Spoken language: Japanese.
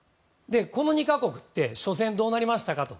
この２か国って初戦どうなりましたかと。